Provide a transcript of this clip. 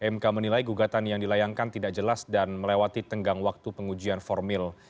mk menilai gugatan yang dilayangkan tidak jelas dan melewati tenggang waktu pengujian formil